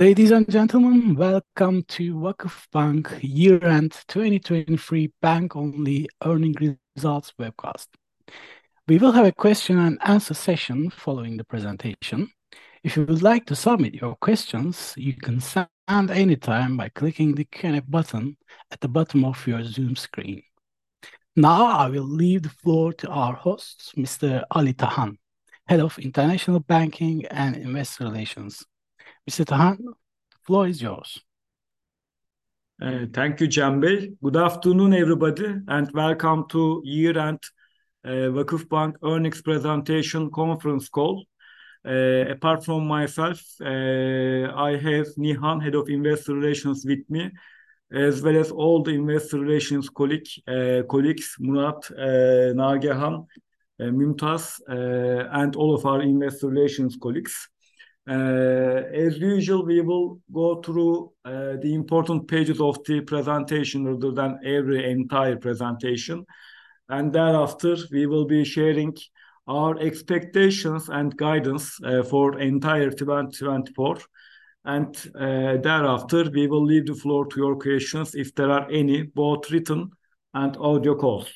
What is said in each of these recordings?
Ladies and gentlemen, welcome to VakıfBank year-end 2023 bank-only earnings results webcast. We will have a question and answer session following the presentation. If you would like to submit your questions, you can send any time by clicking the Q&A button at the bottom of your Zoom screen. Now, I will leave the floor to our host, Mr. Ali Tahan, Head of International Banking and Investor Relations. Mr. Tahan, the floor is yours. Thank you, Cihan Bey. Good afternoon, everybody, and welcome to year-end VakıfBank earnings presentation conference call. Apart from myself, I have Nihan, Head of Investor Relations with me, as well as all the investor relations colleagues, Murat, Nagehan, Mümtaz, and all of our investor relations colleagues. As usual, we will go through the important pages of the presentation rather than, every, entire presentation. Thereafter, we will be sharing our expectations and guidance for entire 2024. Thereafter, we will leave the floor to your questions if there are any, both written and audio calls.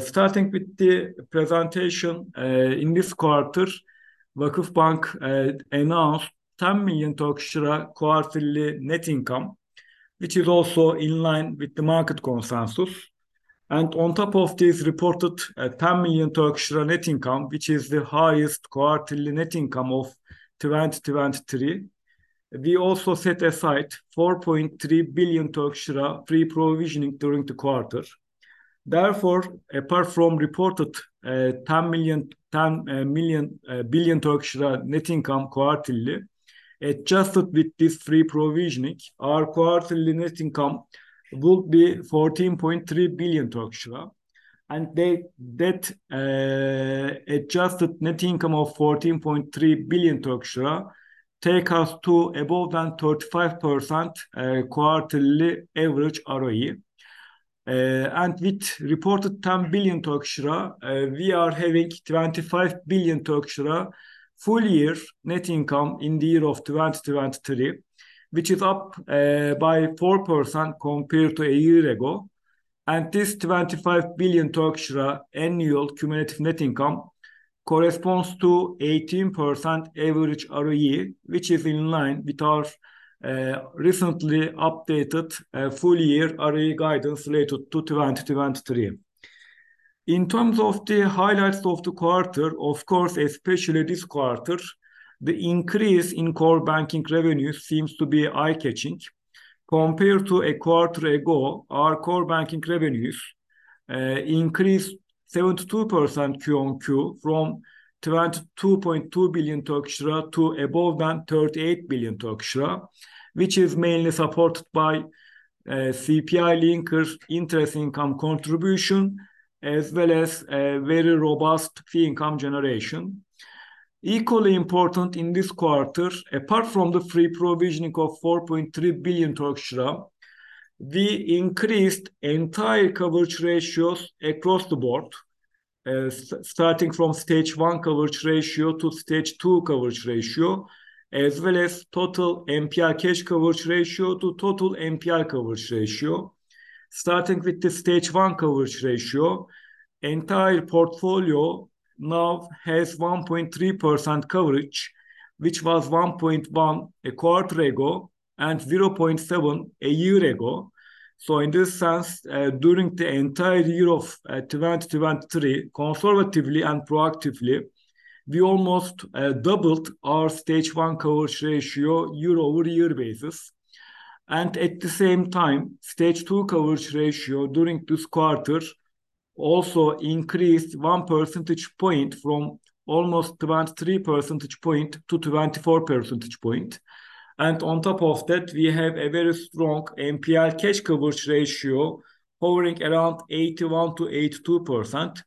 Starting with the presentation, in this quarter, VakıfBank announced 10 million quarterly net income, which is also in line with the market consensus. On top of this reported 10 billion Turkish lira net income, which is the highest quarterly net income of 2023, we also set aside 4.3 billion Turkish lira pre-provisioning during the quarter. Therefore, apart from reported 10 billion Turkish lira net income quarterly, adjusted with this pre-provisioning, our quarterly net income would be 14.3 billion Turkish lira. That adjusted net income of 14.3 billion Turkish lira take us to above than 35% quarterly average ROE. With reported 10 billion Turkish lira, we are having 25 billion Turkish lira full year net income in the year of 2023, which is up by 4% compared to a year ago. This 25 billion annual cumulative net income corresponds to 18% average ROE, which is in line with our recently updated full-year ROE guidance related to 2023. In terms of the highlights of the quarter, of course, especially this quarter, the increase in core banking revenues seems to be eye-catching. Compared to a quarter ago, our core banking revenues increased 72% Q-on-Q from 22.2 billion Turkish lira to more than 38 billion Turkish lira, which is mainly supported by CPI linkers interest income contribution, as well as a very robust fee income generation. Equally important in this quarter, apart from the pre-provisioning of 4.3 billion Turkish lira, we increased entire coverage ratios across the board, starting from Stage I coverage ratio to Stage II coverage ratio, as well as total NPL cash coverage ratio to total NPL coverage ratio. Starting with the Stage I coverage ratio, entire portfolio now has 1.3% coverage, which was 1.1% a quarter ago and 0.7% a year ago. In this sense, during the entire year of 2023, conservatively and proactively, we almost doubled our Stage I coverage ratio year-over-year basis. At the same time, Stage II coverage ratio during this quarter also increased 1 percentage point from almost 23 percentage points to 24 percentage points. We have a very strong NPL cash coverage ratio hovering around 81%-82%.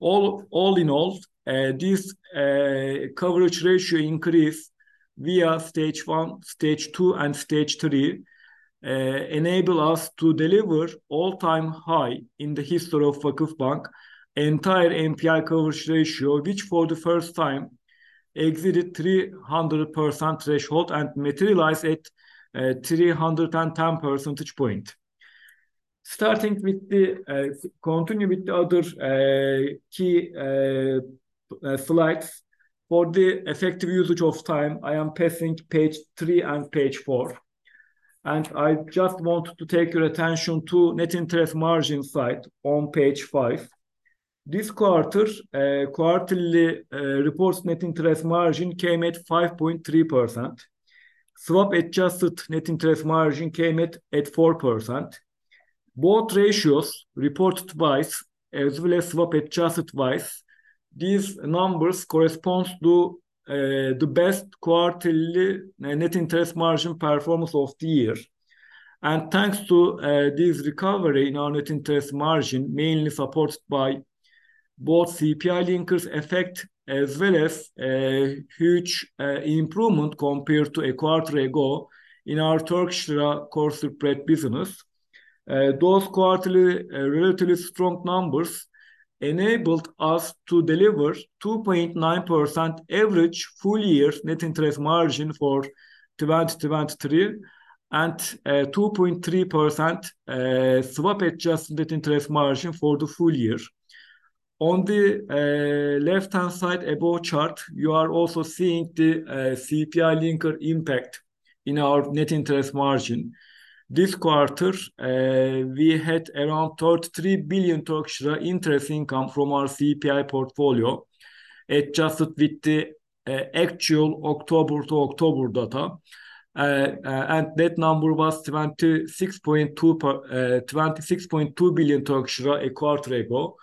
All in all, this coverage ratio increase via Stage I, Stage II, and Stage III enable us to deliver all-time high in the history of VakıfBank entire NPL coverage ratio, which for the first time exceeded 300% threshold and materialize at 310 percentage points. Continuing with the other key slides. For the effective usage of time, I am passing page three and page four. I just want to take your attention to net interest margin slide on page five. This quarter, quarterly reported net interest margin came at 5.3%. Swap-adjusted net interest margin came at 4%. Both ratios, reported wise as well as swap-adjusted wise, these numbers corresponds to the best quarterly net interest margin performance of the year. Thanks to this recovery in our net interest margin, mainly supported by both CPI linkers' effect as well as a huge improvement compared to a quarter ago. In our Turkish Lira core spread business, those quarterly relatively strong numbers enabled us to deliver 2.9% average full year net interest margin for 2023, and 2.3% swap-adjusted net interest margin for the full year. On the left-hand side above chart, you are also seeing the CPI linker impact in our net interest margin. This quarter, we had around 33 billion interest income from our CPI portfolio, adjusted with the actual October to October data. That number was 26.2 billion Turkish lira a quarter ago.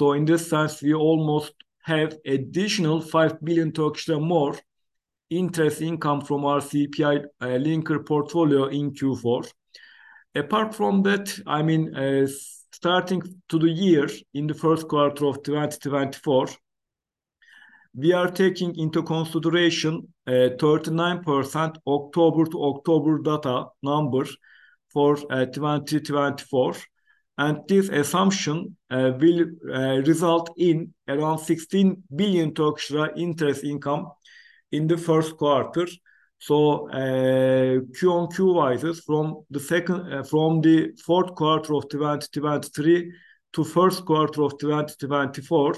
In this sense, we almost have additional 5 billion Turkish lira more interest income from our CPI linkers portfolio in Q4. Apart from that, I mean, starting the year in the first quarter of 2024, we are taking into consideration a 39% October to October data number for 2024, and this assumption will result in around 16 billion interest income in the first quarter. Q-on-Q-wise, from the fourth quarter of 2023 to first quarter of 2024,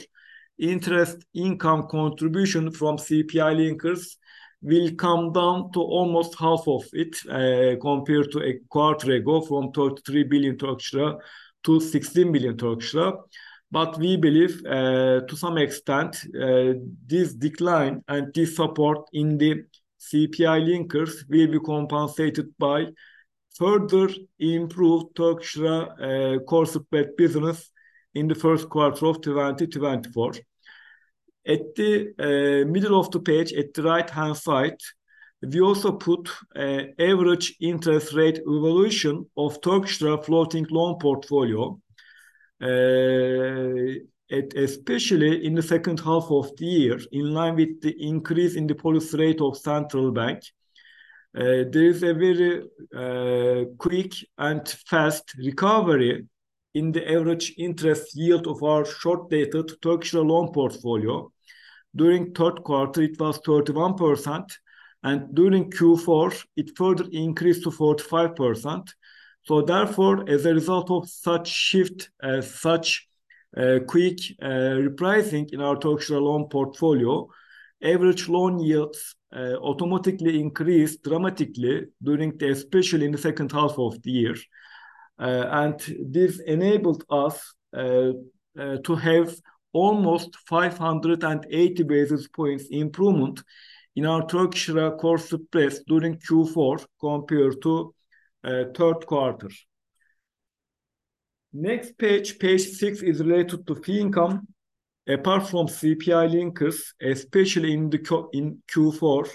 interest income contribution from CPI linkers will come down to almost half of it, compared to a quarter ago, from 33 billion Turkish lira to 16 billion Turkish lira. We believe, to some extent, this decline and this support in the CPI linkers will be compensated by further improved Turkish Lira core spread business in the first quarter of 2024. At the middle of the page at the right-hand side, we also put average interest rate evolution of Turkish Lira floating loan portfolio. Especially in the second half of the year, in line with the increase in the policy rate of central bank, there is a very quick and fast recovery in the average interest yield of our short dated Turkish Lira loan portfolio. During third quarter, it was 31%, and during Q4, it further increased to 45%. Therefore, as a result of such shift, such quick repricing in our Turkish Lira loan portfolio, average loan yields automatically increased dramatically, especially in the second half of the year. This enabled us to have almost 580 basis points improvement in our Turkish Lira core spreads during Q4 compared to third quarter. Next page, page six, is related to fee income. Apart from CPI linkers, especially in Q4,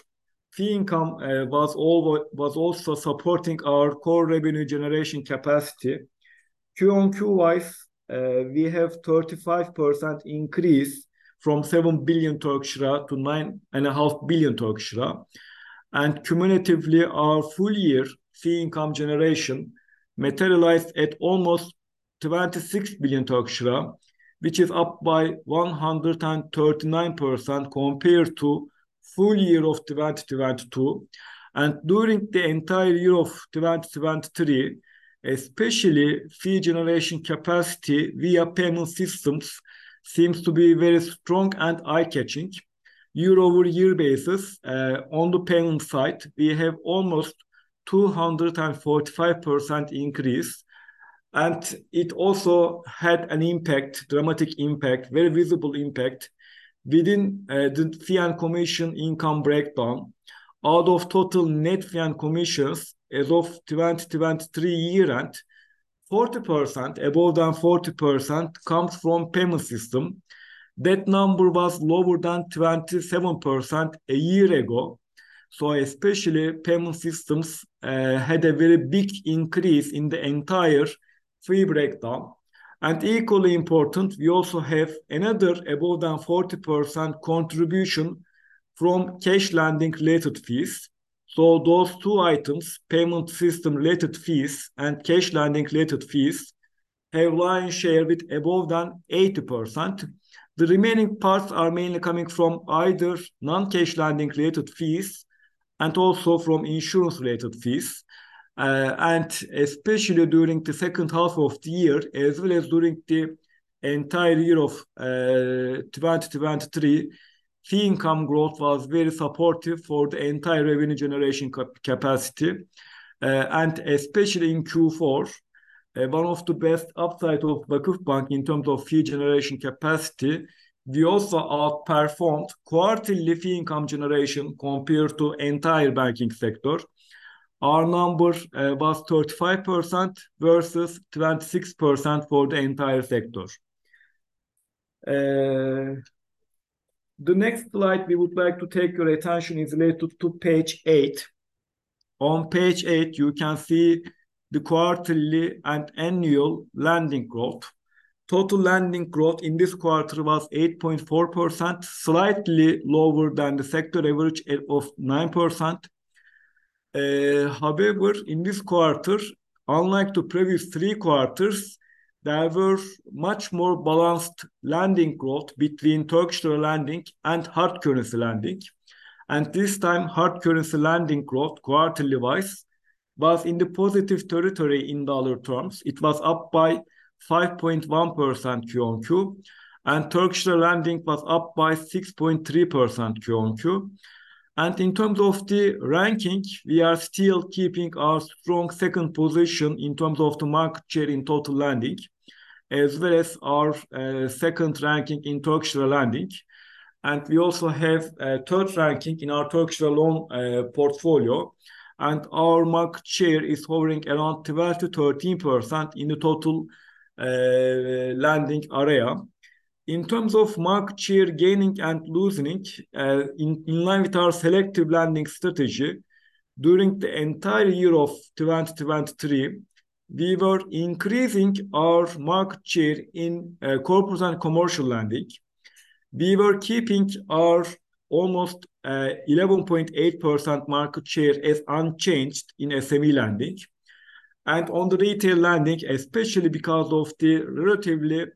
fee income was also supporting our core revenue generation capacity. Q-on-Q-wise, we have 35% increase from 7 billion Turkish lira to 9.5 billion Turkish lira. Cumulatively, our full year fee income generation materialized at almost 26 billion Turkish lira, which is up by 139% compared to full year of 2022. During the entire year of 2023, especially fee generation capacity via payment systems seems to be very strong and eye-catching. On a year-over-year basis, on the payment side, we have almost 245% increase, and it also had an impact, dramatic impact, very visible impact within, the fee and commission income breakdown. Out of total net fees and commissions, as of 2023 year-end, 40%, above 40%, comes from payment system. That number was lower than 27% a year ago. Especially payment systems had a very big increase in the entire fee breakdown. Equally important, we also have another above 40% contribution from cash lending related fees. Those two items, payment system related fees and cash lending related fees, have lion's share with above 80%. The remaining parts are mainly coming from either non-cash lending related fees and also from insurance related fees. Especially during the second half of the year, as well as during the entire year of 2023, fee income growth was very supportive for the entire revenue generation capacity. Especially in Q4, one of the best upside of VakıfBank in terms of fee generation capacity, we also outperformed quarterly fee income generation compared to entire banking sector. Our number was 35% versus 26% for the entire sector. The next slide we would like to take your attention is related to page eight. On page eight, you can see the quarterly and annual lending growth. Total lending growth in this quarter was 8.4%, slightly lower than the sector average of 9%. However, in this quarter, unlike the previous three quarters, there were much more balanced lending growth between Turkish Lira lending and hard currency lending. This time, hard currency lending growth, quarterly wise, was in the positive territory in dollar terms. It was up by 5.1% Q-on-Q, and Turkish Lira lending was up by 6.3% Q-on-Q. In terms of the ranking, we are still keeping our strong second position in terms of the market share in total lending, as well as our second ranking in Turkish Lira lending. We also have third ranking in our Turkish Lira loan portfolio. Our market share is hovering around 12%-13% in the total lending area. In terms of market share gaining and loosening, in line with our selective lending strategy, during the entire year of 2023, we were increasing our market share in corporate and commercial lending. We were keeping our almost 11.8% market share as unchanged in SME lending. On the retail lending, especially because of the relatively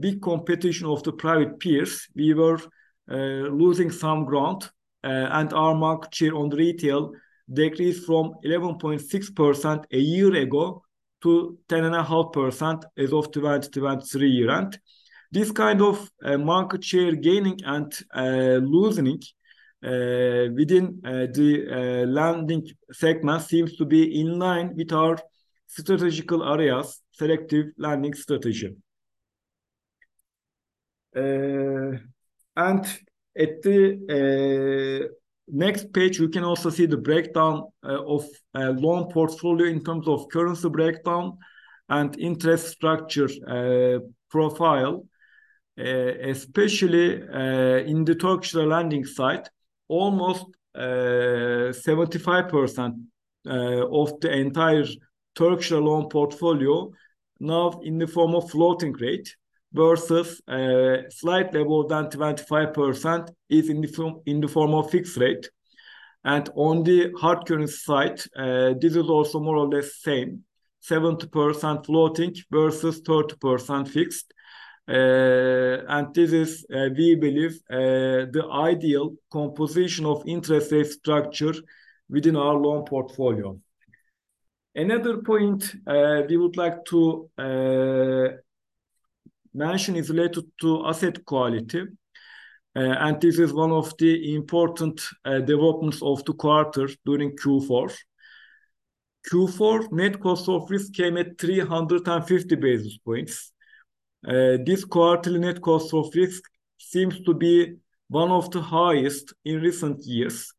big competition of the private peers, we were losing some ground. Our market share on retail decreased from 11.6% a year ago to 10.5% as of 2023 year-end. This kind of market share gaining and loosening within the lending segment seems to be in line with our strategical areas, selective lending strategy. On the next page, you can also see the breakdown of loan portfolio in terms of currency breakdown and interest structure profile. Especially in the Turkish Lira lending side, almost 75% of the entire Turkish Lira loan portfolio now in the form of floating rate versus slightly more than 25% is in the form of fixed rate. On the hard currency side, this is also more or less same, 70% floating versus 30% fixed. This is, we believe, the ideal composition of interest rate structure within our loan portfolio. Another point we would like to mention is related to asset quality. This is one of the important developments of the quarter during Q4. Q4 net cost of risk came at 350 basis points. This quarterly net cost of risk seems to be one of the highest in recent years.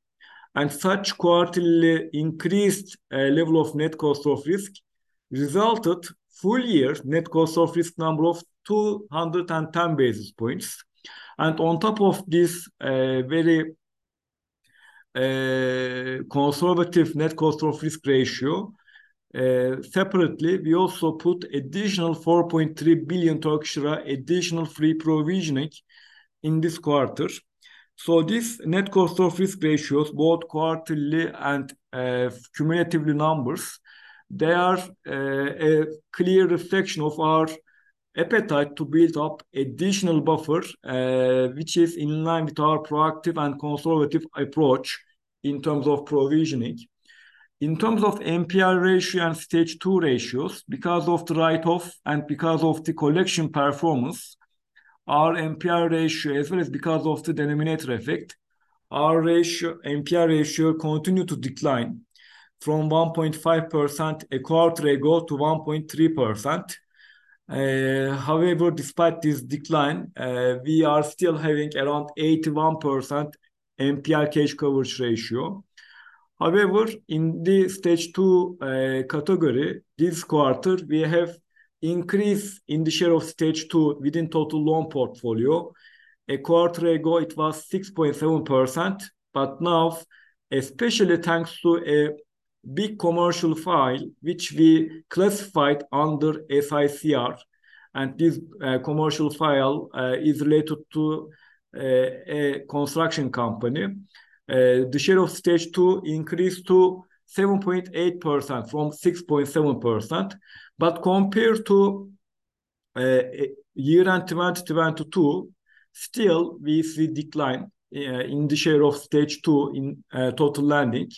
Such quarterly increased level of net cost of risk resulted full year net cost of risk number of 210 basis points. On top of this, very conservative net cost of risk ratio, separately, we also put additional 4.3 billion Turkish lira additional free provisioning in this quarter. This net cost of risk ratios, both quarterly and cumulatively numbers, they are a clear reflection of our appetite to build up additional buffer, which is in line with our proactive and conservative approach in terms of provisioning. In terms of NPL ratio and Stage II ratios, because of the write-off and because of the collection performance, our NPL ratio as well as because of the denominator effect, our ratio, NPL ratio continued to decline from 1.5% a quarter ago to 1.3%. However, despite this decline, we are still having around 81% NPL cash coverage ratio. However, in the Stage II category, this quarter, we have increase in the share of Stage II within total loan portfolio. A quarter ago, it was 6.7%, but now, especially thanks to a big commercial file which we classified under SICR, and this commercial file is related to a construction company. The share of Stage II increased to 7.8% from 6.7%. Compared to year-end 2022, still we see decline in the share of Stage II in total lending.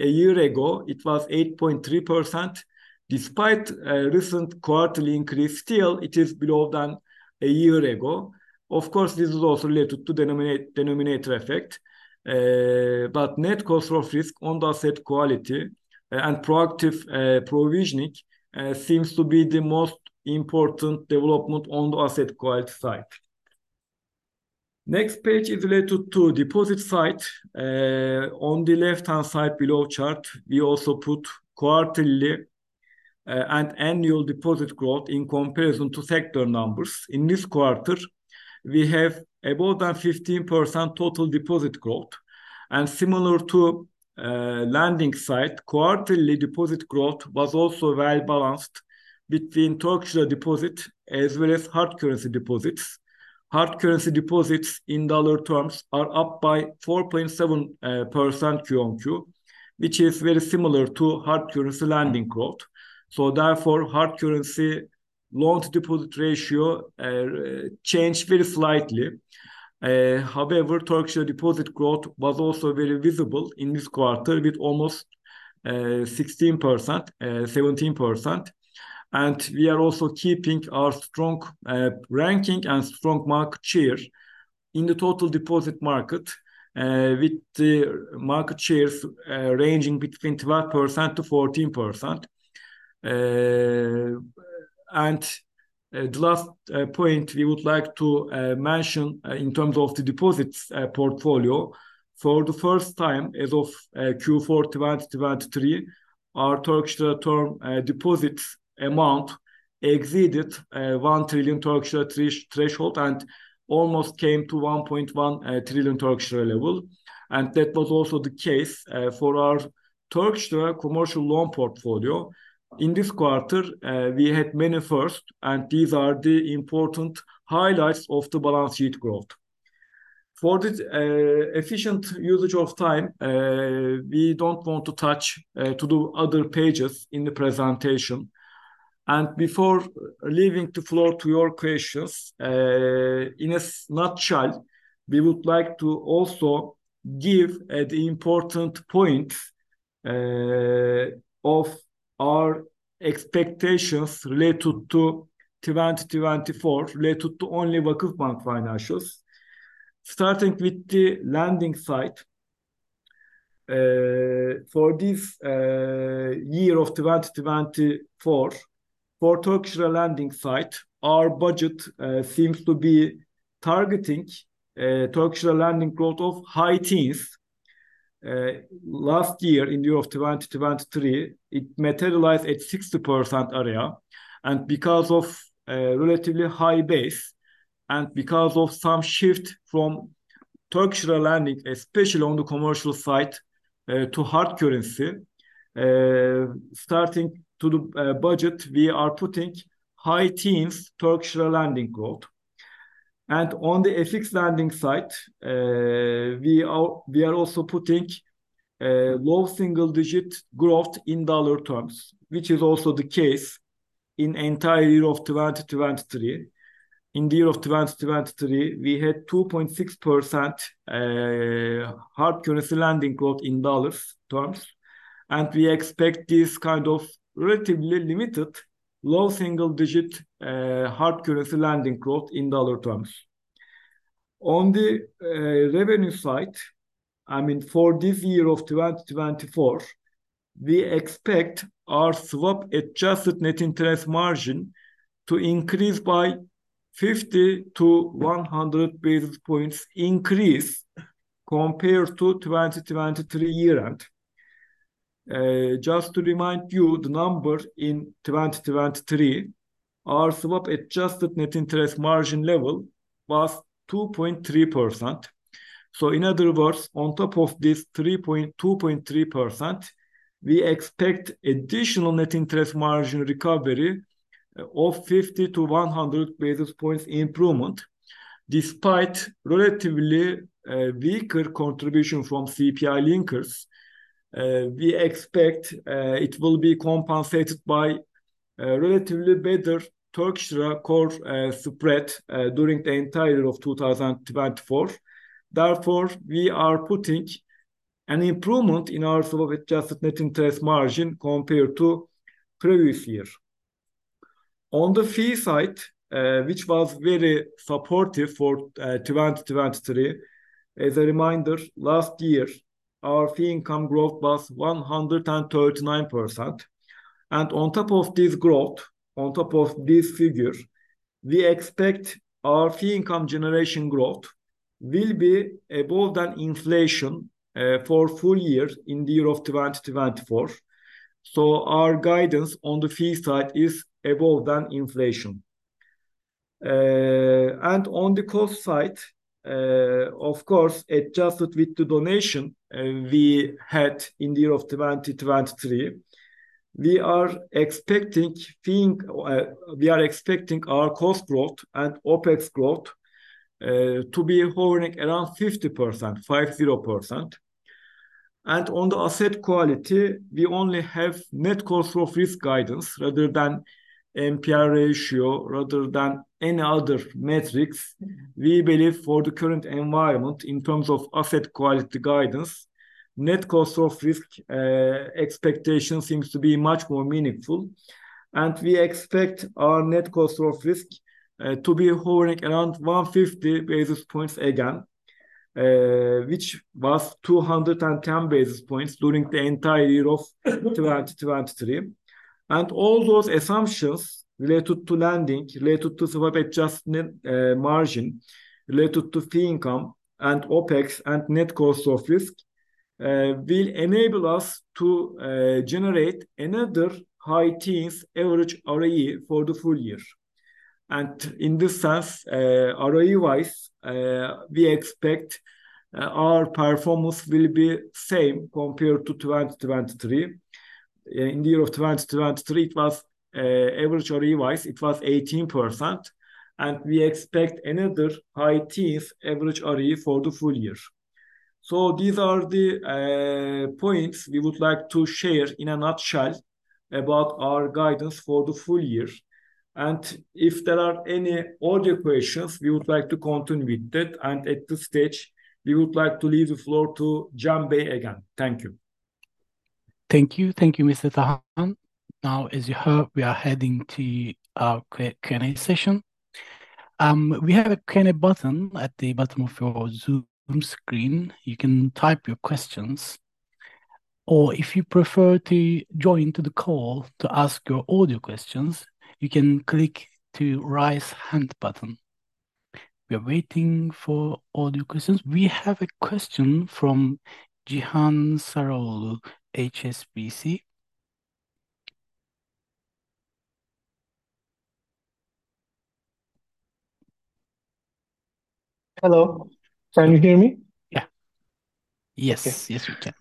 A year ago, it was 8.3%. Despite recent quarterly increase, still it is below than a year ago. Of course, this is also related to denominator effect. But net cost of risk on the asset quality and proactive provisioning seems to be the most important development on the asset quality side. Next page is related to deposit side. On the left-hand side below chart, we also put quarterly and annual deposit growth in comparison to sector numbers. In this quarter, we have about a 15% total deposit growth. Similar to the lending side, quarterly deposit growth was also well-balanced between Turkish deposit as well as hard currency deposits. Hard currency deposits in dollar terms are up by 4.7% Q-on-Q, which is very similar to hard currency lending growth. Therefore, hard currency loan to deposit ratio changed very slightly. However, Turkish deposit growth was also very visible in this quarter with almost 16%-17%. We are also keeping our strong ranking and strong market share in the total deposit market with the market shares ranging between 12%-14%. The last point we would like to mention in terms of the deposits portfolio, for the first time as of Q4 2023, our Turkish Lira term deposits amount exceeded 1 trillion Turkish lira threshold and almost came to 1.1 trillion Turkish lira level. That was also the case for our Turkish Lira commercial loan portfolio. In this quarter, we had many firsts, and these are the important highlights of the balance sheet growth. For this efficient usage of time, we don't want to touch to the other pages in the presentation. Before leaving the floor to your questions, in a nutshell, we would like to also give the important points of our expectations related to 2024, related to only VakıfBank financials. Starting with the lending side, for this year of 2024, for Turkish Lira lending side, our budget seems to be targeting Turkish Lira lending growth of high teens. Last year in the year of 2023, it materialized at 60% area. Because of relatively high base and because of some shift from Turkish Lira lending, especially on the commercial side, to hard currency, starting to the budget, we are putting high teens Turkish Lira lending growth. On the FX lending side, we are also putting a low single digit growth in dollar terms, which is also the case in entire year of 2023. In the year of 2023, we had 2.6% hard currency lending growth in dollar terms, and we expect this kind of relatively limited low single digit hard currency lending growth in dollar terms. On the revenue side, I mean, for this year of 2024, we expect our swap-adjusted net interest margin to increase by 50-100 basis points increase compared to 2023 year end. Just to remind you, the number in 2023, our swap-adjusted net interest margin level was 2.3%. In other words, on top of this 2.3%, we expect additional net interest margin recovery of 50-100 basis points improvement. Despite relatively weaker contribution from CPI linkers, we expect it will be compensated by a relatively better Turkish Lira core spread during the entire year of 2024. Therefore, we are putting an improvement in our swap-adjusted net interest margin compared to previous year. On the fee side, which was very supportive for 2023, as a reminder, last year, our fee income growth was 139%. On top of this growth, on top of this figure, we expect our fee income generation growth will be above than inflation, for full year in the year of 2024. Our guidance on the fee side is above than inflation. On the cost side, of course, adjusted with the donation, we had in the year of 2023, we are expecting our cost growth and OpEx growth, to be hovering around 50%, 50%. On the asset quality, we only have net cost of risk guidance rather than NPL ratio, rather than any other metrics. We believe for the current environment in terms of asset quality guidance, net cost of risk, expectation seems to be much more meaningful. We expect our net cost of risk to be hovering around 150 basis points again, which was 210 basis points during the entire year of 2023. All those assumptions related to lending, related to swap-adjusted net margin, related to fee income and OpEx and net cost of risk will enable us to generate another high teens average ROE for the full year. In this sense, ROE-wise, we expect our performance will be same compared to 2023. In the year of 2023 it was, average ROE-wise it was 18%, and we expect another high teens average ROE for the full year. These are the points we would like to share in a nutshell about our guidance for the full year. If there are any audio questions, we would like to continue with it, and at this stage we would like to leave the floor to Cihan Bey again. Thank you. Thank you. Thank you, Mr. Tahan. Now, as you heard, we are heading to our Q&A session. We have a Q&A button at the bottom of your Zoom screen. You can type your questions, or if you prefer to join the call to ask your audio questions, you can click the Raise Hand button. We are waiting for audio questions. We have a question from Cihan Saraoğlu, HSBC. Hello. Can you hear me? Yeah. Yes. Yes Yes, we can.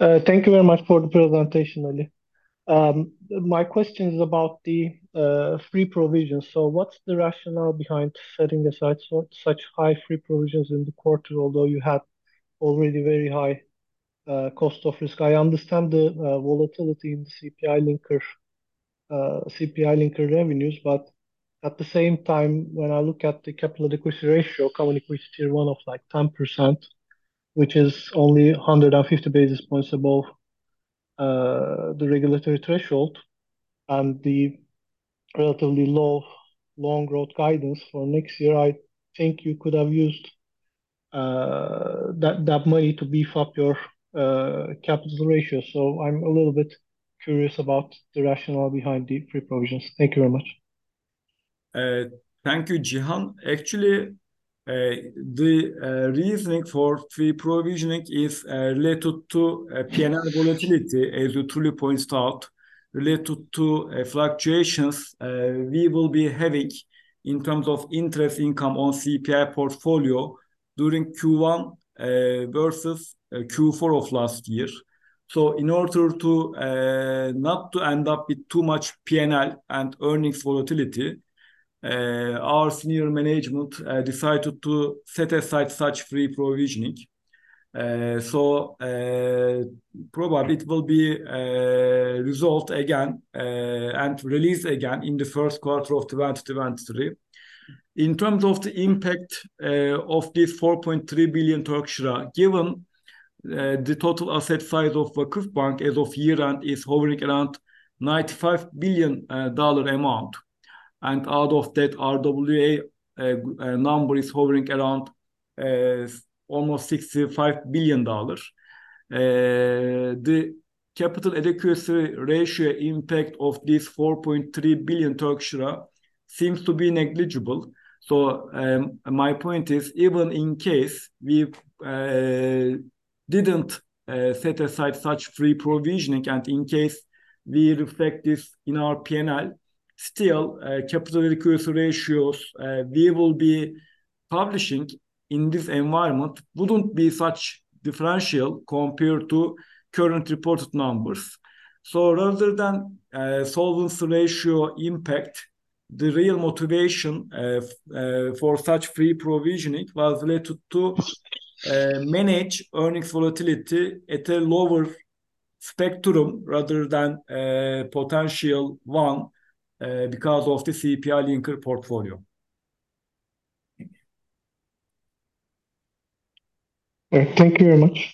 Okay. Thank you very much for the presentation, Ali. My question is about the free provisions. What's the rationale behind setting aside such high free provisions in the quarter, although you had already very high cost of risk? I understand the volatility in CPI linker revenues, but at the same time, when I look at the capital adequacy ratio, Common Equity Tier 1 of, like, 10%, which is only 150 basis points above the regulatory threshold, and the relatively low loan growth guidance for next year, I think you could have used that money to beef up your capital ratio. I'm a little bit curious about the rationale behind the free provisions. Thank you very much. Thank you, Cihan. Actually, the reasoning for free provisioning is related to P&L volatility, as you truly pointed out, related to fluctuations we will be having in terms of interest income on CPI portfolio during Q1 versus Q4 of last year. In order to not end up with too much P&L and earnings volatility, our senior management decided to set aside such free provisioning. Probably it will be resolved again and released again in the first quarter of 2023. In terms of the impact of this 4.3 billion Turkish lira, given the total asset size of VakıfBank as of year-end is hovering around $95 billion. Out of that RWA number is hovering around almost $65 billion. The capital adequacy ratio impact of this 4.3 billion Turkish lira seems to be negligible. My point is, even in case we didn't set aside such free provisioning, and in case we reflect this in our P&L, still, capital adequacy ratios we will be publishing in this environment wouldn't be such differential compared to current reported numbers. Rather than solvency ratio impact, the real motivation for such free provisioning was related to manage earnings volatility at a lower spectrum rather than potential one because of the CPI linkers portfolio. Thank you very much.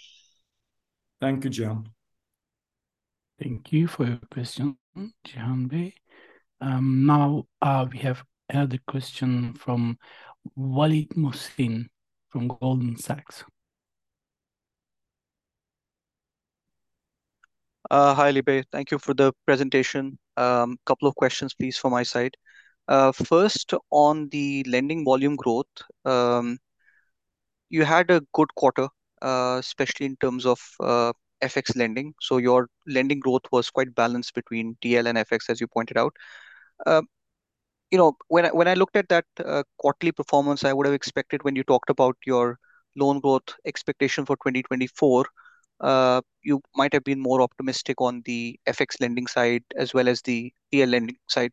Thank you, Cihan. Thank you for your question, Cihan Bey. We have another question from Waleed Mohsin from Goldman Sachs. Hi, Ali Bey. Thank you for the presentation. Couple of questions please from my side. First, on the lending volume growth, you had a good quarter, especially in terms of FX lending. Your lending growth was quite balanced between TL and FX, as you pointed out. You know, when I looked at that quarterly performance, I would have expected when you talked about your loan growth expectation for 2024, you might have been more optimistic on the FX lending side as well as the TL lending side.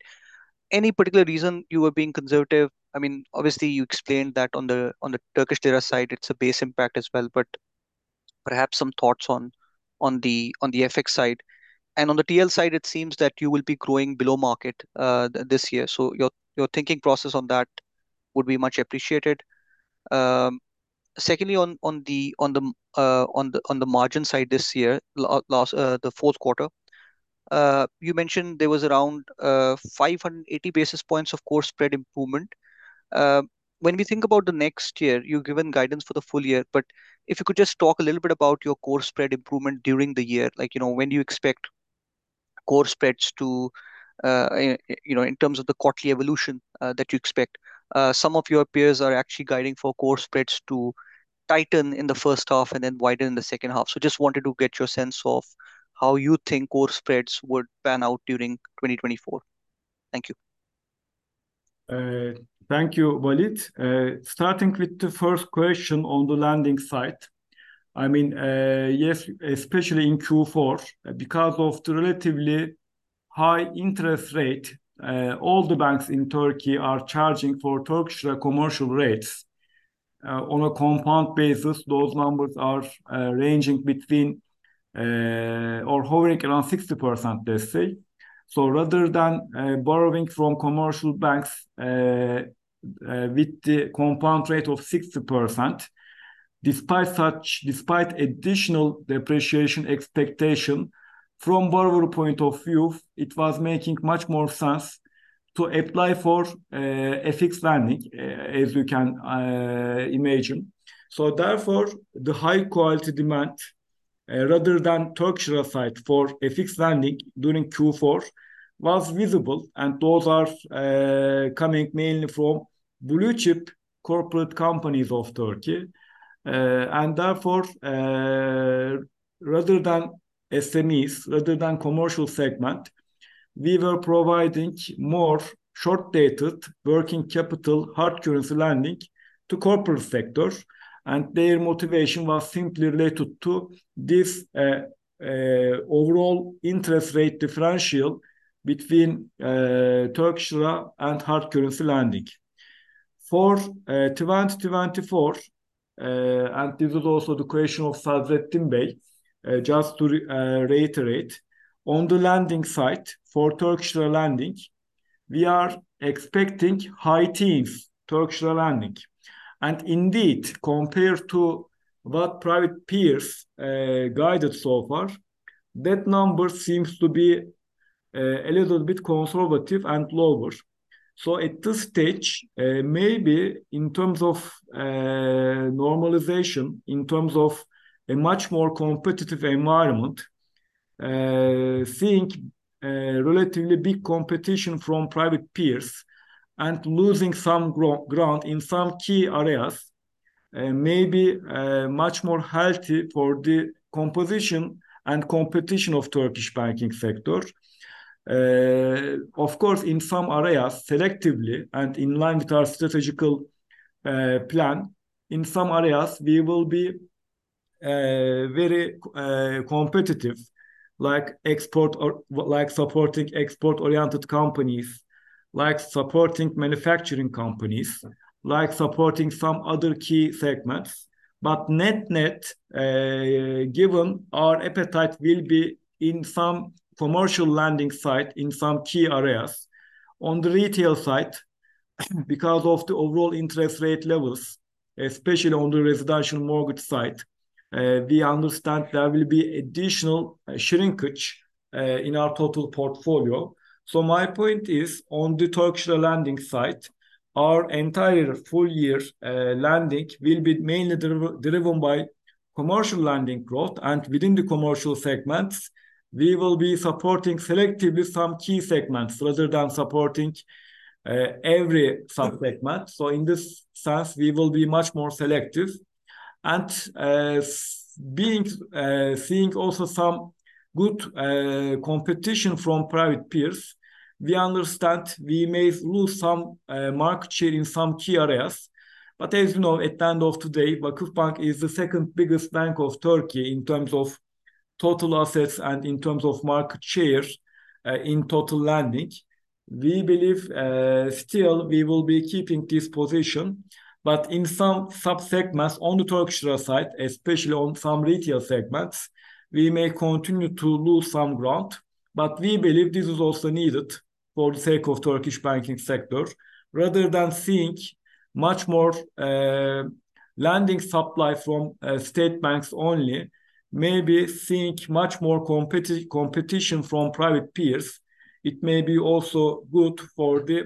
Any particular reason you were being conservative? I mean, obviously you explained that on the Turkish Lira side, it's a base impact as well, but perhaps some thoughts on the FX side. On the TL side, it seems that you will be growing below market this year. Your thinking process on that would be much appreciated. Secondly, on the margin side this year, in the fourth quarter, you mentioned there was around 580 basis points of core spread improvement. When we think about the next year, you have given guidance for the full year, but if you could just talk a little bit about your core spread improvement during the year, like, you know, when do you expect core spreads to, you know, in terms of the quarterly evolution, that you expect. Some of your peers are actually guiding for core spreads to tighten in the first half and then widen in the second half. Just wanted to get your sense of how you think core spreads would pan out during 2024. Thank you. Thank you, Waleed. Starting with the first question on the lending side. I mean, yes, especially in Q4, because of the relatively high interest rate, all the banks in Turkey are charging for Turkish commercial rates. On a compound basis, those numbers are ranging between or hovering around 60%, let's say. Rather than borrowing from commercial banks with the compound rate of 60%, despite additional depreciation expectation, from borrower point of view, it was making much more sense to apply for a fixed lending, as you can imagine. Therefore, the high quality demand rather than Turkish side for a fixed lending during Q4 was visible, and those are coming mainly from blue-chip corporate companies of Turkey. Therefore, rather than SMEs, rather than commercial segment, we were providing more short-dated working capital hard currency lending to corporate sectors, and their motivation was simply related to this overall interest rate differential between Turkish Lira and hard currency lending. For 2024, this is also the question of Sadrettin Bey, just to reiterate. On the lending side for Turkish Lira lending, we are expecting high teens Turkish Lira lending. Indeed, compared to what private peers guided so far, that number seems to be a little bit conservative and lower. At this stage, maybe in terms of normalization, in terms of a much more competitive environment, seeing a relatively big competition from private peers and losing some ground in some key areas may be much more healthy for the composition and competition of Turkish banking sector. Of course, in some areas, selectively and in line with our strategic plan, in some areas we will be very competitive, like supporting export-oriented companies, like supporting manufacturing companies, like supporting some other key segments. Net-net, given our appetite will be in some commercial lending side in some key areas. On the retail side, because of the overall interest rate levels, especially on the residential mortgage side, we understand there will be additional shrinkage in our total portfolio. My point is, on the Turkish Lira lending side, our entire full year lending will be mainly driven by commercial lending growth. Within the commercial segments, we will be supporting selectively some key segments rather than supporting every sub-segment. In this sense, we will be much more selective. Seeing also some good competition from private peers, we understand we may lose some market share in some key areas. As you know, at the end of the day, VakıfBank is the second biggest bank of Turkey in terms of total assets and in terms of market share in total lending. We believe still we will be keeping this position. In some sub-segments on the Turkish Lira side, especially on some retail segments, we may continue to lose some ground. We believe this is also needed for the sake of Turkish banking sector. Rather than seeing much more lending supply from state banks only, maybe seeing much more competition from private peers, it may be also good for the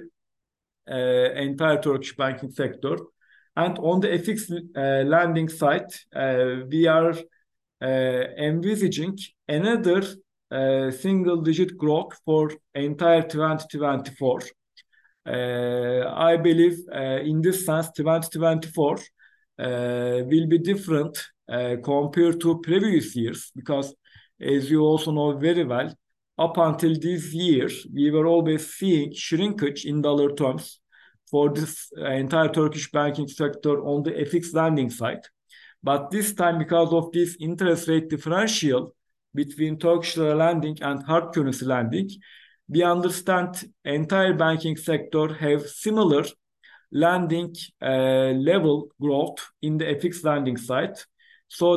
entire Turkish banking sector. On the FX lending side, we are envisaging another single-digit growth for entire 2024. I believe in this sense, 2024 will be different compared to previous years. Because as you also know very well, up until this year, we were always seeing shrinkage in dollar terms for this entire Turkish banking sector on the FX lending side. This time, because of this interest rate differential between Turkish lira lending and hard currency lending, we understand entire banking sector have similar lending level growth in the FX lending side.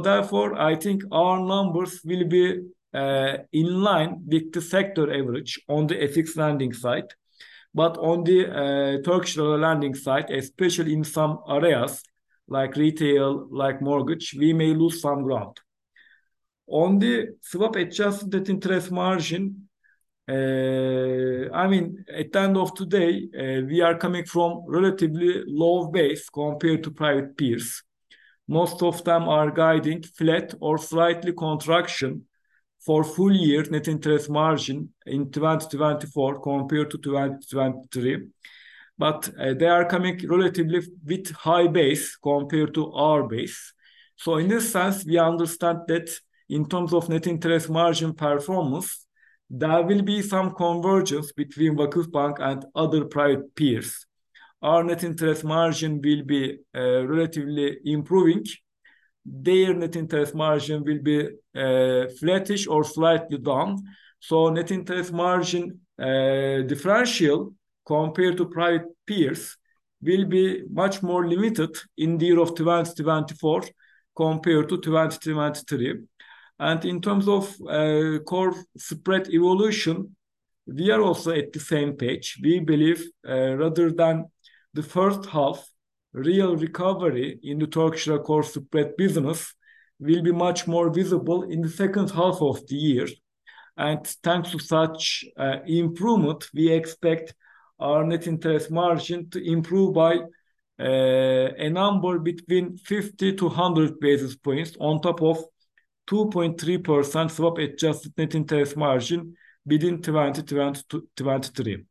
Therefore, I think our numbers will be in line with the sector average on the FX lending side. On the Turkish Lira lending side, especially in some areas like retail, like mortgage, we may lose some ground. On the swap-adjusted interest margin, I mean, at the end of today, we are coming from relatively low base compared to private peers. Most of them are guiding flat or slightly contraction for full year net interest margin in 2024 compared to 2023. They are coming relatively with high base compared to our base. In this sense, we understand that in terms of net interest margin performance, there will be some convergence between VakıfBank and other private peers. Our net interest margin will be relatively improving. Their net interest margin will be flattish or slightly down. Net interest margin differential compared to private peers will be much more limited in the year of 2024 compared to 2023. In terms of core spread evolution, we are also at the same page. We believe, rather than the first half, real recovery in the Turkish Lira core spread business will be much more visible in the second half of the year. Thanks to such improvement, we expect our net interest margin to improve by a number between 50-100 basis points on top of 2.3% swap-adjusted net interest margin within 2023.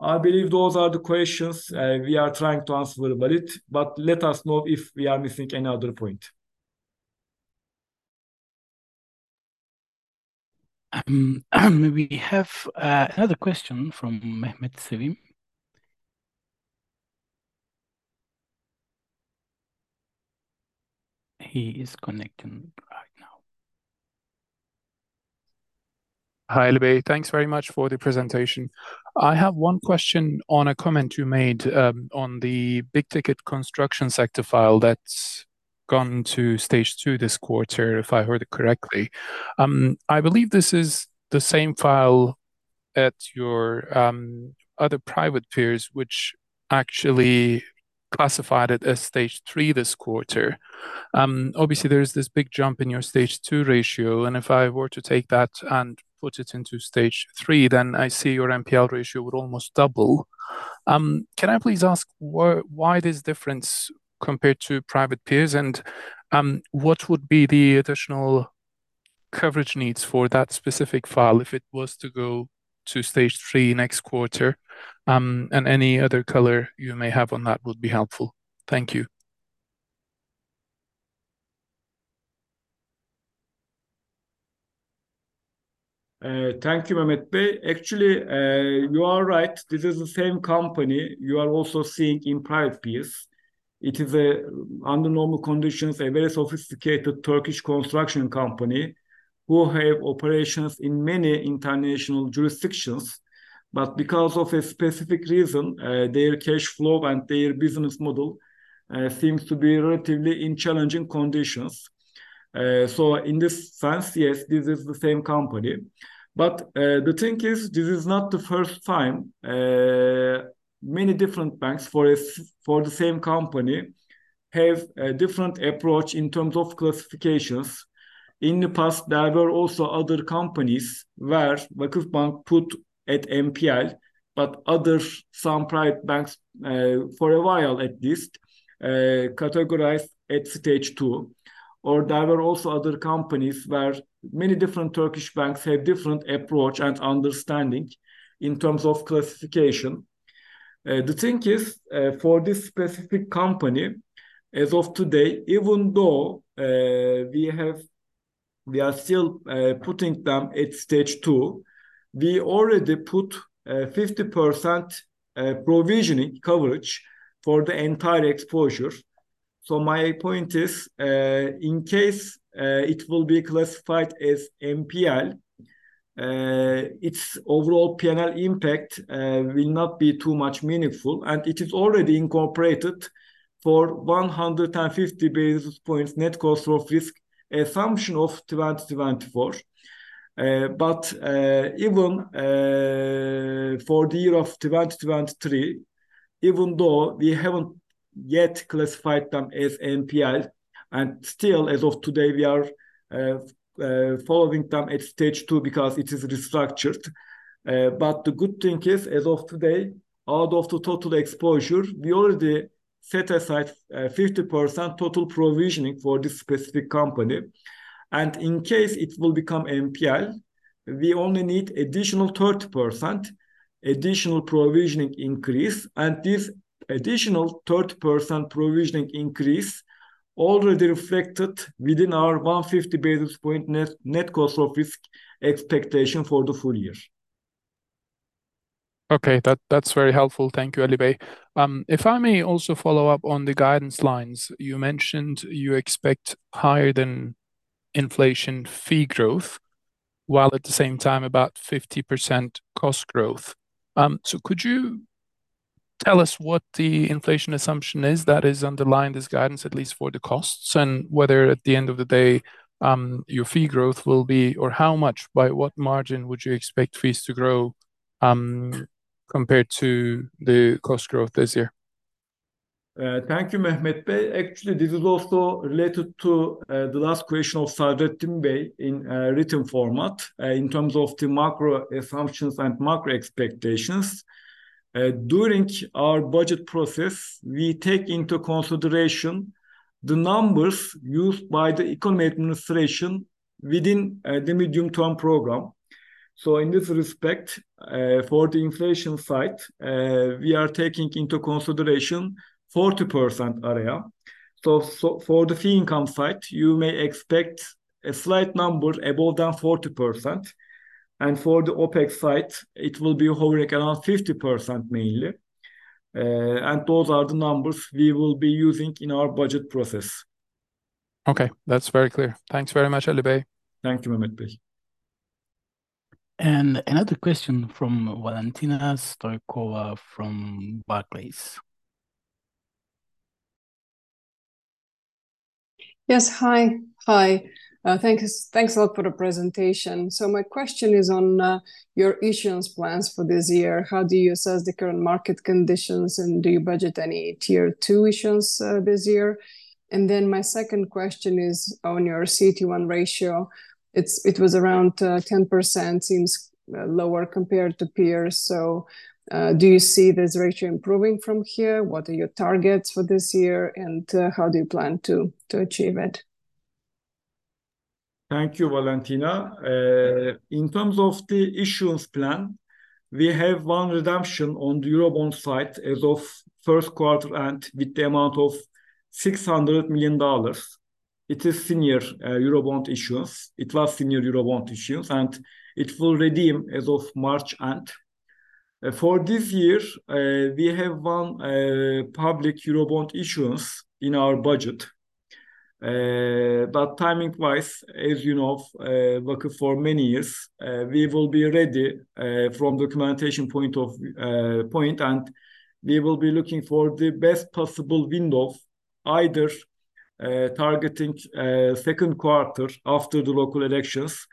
I believe those are the questions we are trying to answer about it, but let us know if we are missing any other point. We have another question from Mehmet Sevim. He is connecting right now. Hi, Ali Bey. Thanks very much for the presentation. I have one question on a comment you made on the big ticket construction sector file that's gone to Stage II this quarter, if I heard it correctly. I believe this is the same file at your other private peers which actually classified it as Stage III this quarter. Obviously, there's this big jump in your Stage II ratio, and if I were to take that and put it into Stage III, then I see your NPL ratio would almost double. Can I please ask why this difference compared to private peers, and what would be the additional coverage needs for that specific file if it was to go to Stage III next quarter? Any other color you may have on that would be helpful. Thank you. Thank you, Mehmet Bey. Actually, you are right. This is the same company you are also seeing in private peers. It is, a, under normal conditions, a very sophisticated Turkish construction company who have operations in many international jurisdictions. But because of a specific reason, their cash flow and their business model seems to be relatively in challenging conditions. So in this sense, yes, this is the same company. But the thing is, this is not the first time many different banks for the same company have a different approach in terms of classifications. In the past, there were also other companies where VakıfBank put at NPL, but other, some private banks, for a while at least, categorized at Stage II. There were also other companies where many different Turkish banks have different approach and understanding in terms of classification. The thing is, for this specific company, as of today, even though we are still putting them at Stage II, we already put 50% provisioning coverage for the entire exposure. My point is, in case it will be classified as NPL, its overall P&L impact will not be too much meaningful, and it is already incorporated for 150 basis points net cost of risk assumption of 2024. For the year of 2023, even though we haven't yet classified them as NPL, and still as of today we are following them at Stage II because it is restructured. The good thing is, as of today, out of the total exposure, we already set aside 50% total provisioning for this specific company. In case it will become NPL, we only need additional 30% additional provisioning increase. This additional 30% provisioning increase already reflected within our 150 basis points net cost of risk expectation for the full year. Okay. That's very helpful. Thank you, Ali Bey. If I may also follow up on the guidance lines. You mentioned you expect higher than inflation fee growth, while at the same time about 50% cost growth. Could you tell us what the inflation assumption is that is underlying this guidance at least for the costs, and whether at the end of the day, your fee growth will be, or how much, by what margin would you expect fees to grow, compared to the cost growth this year? Thank you, Mehmet Bey. Actually, this is also related to the last question of Sadrettin Bey in written format, in terms of the macro assumptions and macro expectations. During our budget process, we take into consideration the numbers used by the economy administration within the medium-term program. In this respect, for the inflation side, we are taking into consideration 40% area. For the fee income side, you may expect a slight number above than 40%. For the OpEx side, it will be hovering around 50% mainly. Those are the numbers we will be using in our budget process. Okay. That's very clear. Thanks very much, Ali Bey. Thank you, Mehmet Bey. Another question from Valentina Stoykova from Barclays. Hi. Thanks a lot for the presentation. My question is on your issuance plans for this year. How do you assess the current market conditions, and do you budget any Tier 2 issuance this year? My second question is on your CET1 ratio. It was around 10%, seems lower compared to peers. Do you see this ratio improving from here? What are your targets for this year, and how do you plan to achieve it? Thank you, Valentina. In terms of the issuance plan, we have one redemption on the Eurobond side as of first quarter and with the amount of $600 million. It was senior Eurobond issuance, and it will redeem as of March end. For this year, we have one public Eurobond issuance in our budget. But timing-wise, as you know, working for many years, we will be ready from documentation point, and we will be looking for the best possible window, either targeting second quarter after the local elections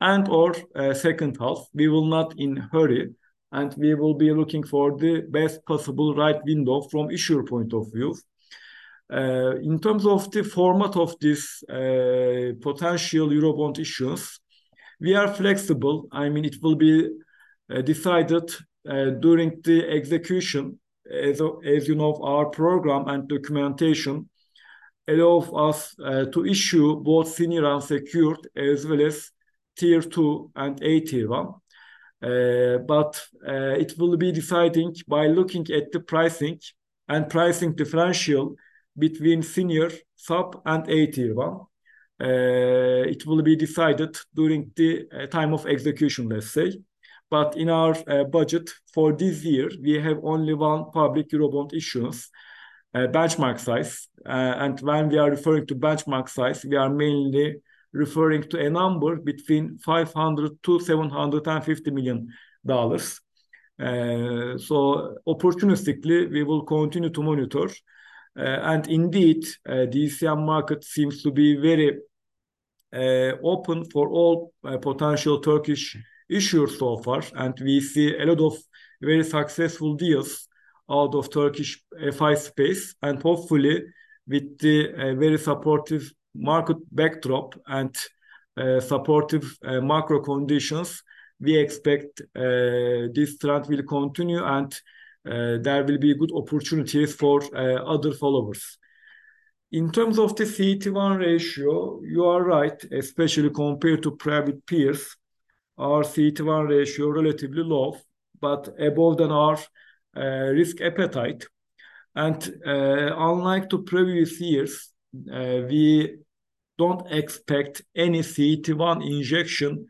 and/or second half. We will not, in, hurry, and we will be looking for the best possible right window from issuer point of view. In terms of the format of this potential Eurobond issuance, we are flexible. I mean, it will be decided during the execution. As you know, our program and documentation allow us to issue both senior unsecured as well as Tier 2 and AT1. It will be decided by looking at the pricing and pricing differential between senior, sub and AT1. It will be decided during the time of execution, let's say. In our budget for this year, we have only one public Eurobond issuance, benchmark size. When we are referring to benchmark size, we are mainly referring to a number between $500 million-$750 million. Opportunistically, we will continue to monitor. Indeed, DCM market seems to be very open for all potential Turkish issuers so far. We see a lot of very successful deals out of Turkish FI space. Hopefully, with the very supportive market backdrop and supportive macro conditions, we expect this trend will continue and there will be good opportunities for other followers. In terms of the CET1 ratio, you are right, especially compared to private peers. Our CET1 ratio relatively low, but above than our risk appetite. Unlike the previous years, we don't expect any CET1 injection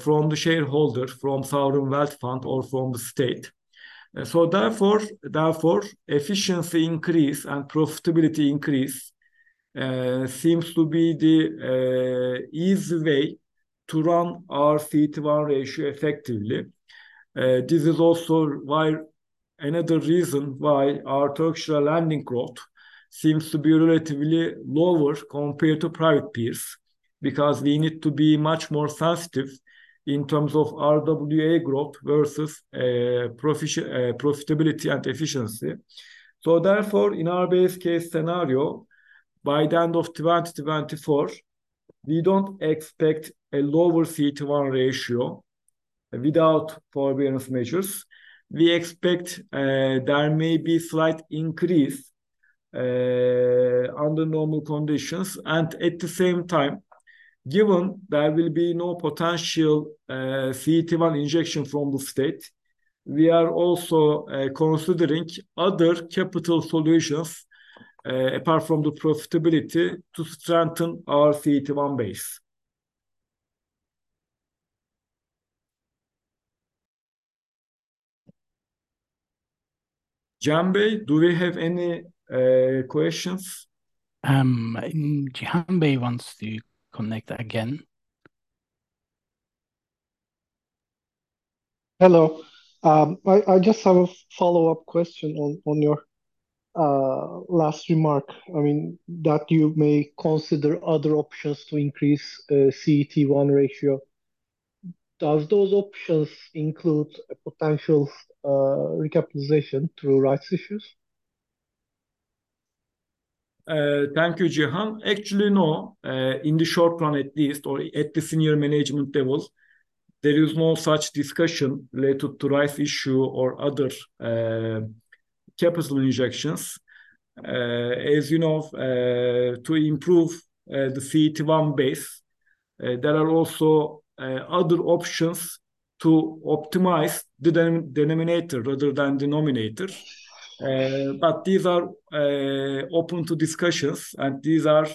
from the shareholder, from Sovereign Wealth Fund or from the state. Therefore, efficiency increase and profitability increase seems to be the easy way to run our CET1 ratio effectively. This is also why, another reason why our Turkish lending growth seems to be relatively lower compared to private peers, because we need to be much more sensitive in terms of RWA growth versus profitability and efficiency. In our base case scenario, by the end of 2024, we don't expect a lower CET1 ratio without forbearance measures. We expect there may be slight increase under normal conditions. At the same time, given there will be no potential CET1 injection from the state, we are also considering other capital solutions apart from the profitability to strengthen our CET1 base. Cihan Bey, do we have any questions? Cihan Bey wants to connect again. Hello. I just have a follow-up question on your last remark. I mean, that you may consider other options to increase CET1 ratio. Do those options include a potential recapitalization through rights issues? Thank you, Cihan. Actually, no. In the short run, at least, or at the senior management levels, there is no such discussion related to rights issue or other, capital injections. As you know, to improve the CET1 base, there are also other options to optimize the denominator rather than numerator. These are open to discussions, and these are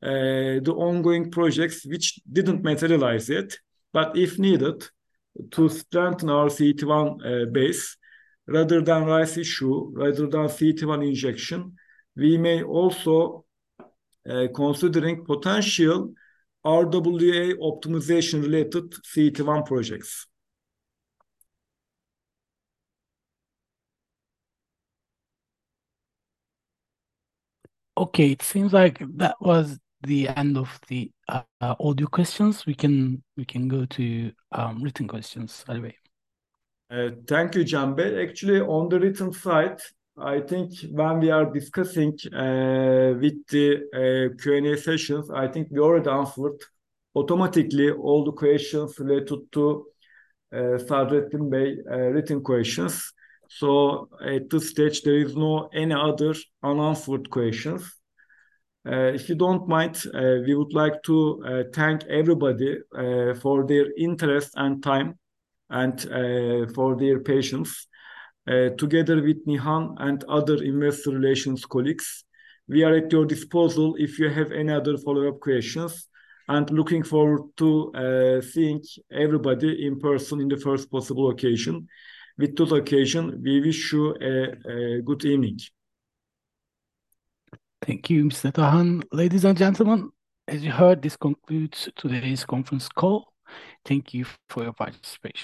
the ongoing projects which didn't materialize yet. If needed to strengthen our CET1 base rather than rights issue, rather than CET1 injection, we may also consider potential RWA optimization related CET1 projects. Okay. It seems like that was the end of the audio questions. We can go to written questions right away. Thank you, Cihan Bey. Actually, on the written side, I think when we are discussing with the Q&A sessions, I think we already answered automatically all the questions related to Sadrettin Bey's written questions. At this stage, there is no any other unanswered questions. If you don't mind, we would like to thank everybody for their interest and time and for their patience. Together with Nihan and other investor relations colleagues, we are at your disposal if you have any other follow-up questions, and looking forward to seeing everybody in person in the first possible occasion. With this occasion, we wish you a good evening. Thank you, Mr. Tahan. Ladies and gentlemen, as you heard, this concludes today's conference call. Thank you for your participation.